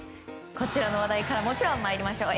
こちらの話題からもちろん、参りましょう。